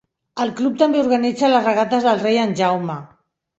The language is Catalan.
El club també organitza les regates del Rei en Jaume.